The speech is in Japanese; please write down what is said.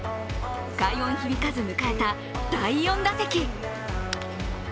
快音響かず迎えた第４打席。